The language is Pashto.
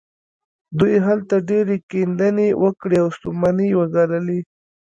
دوی هلته ډېرې کيندنې وکړې او ستومانۍ يې وګاللې.